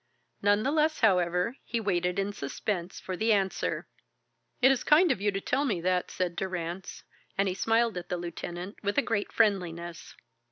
None the less, however, he waited in suspense for the answer. "It is kind of you to tell me that," said Durrance, and he smiled at the lieutenant with a great friendliness.